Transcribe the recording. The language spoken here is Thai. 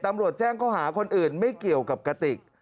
ตำรวจแจ้งข้อหาคนอื่นไม่เกี่ยวกับกติก